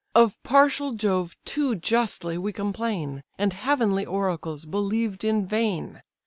Of partial Jove too justly we complain, And heavenly oracles believed in vain.